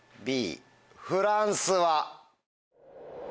Ｂフランスは。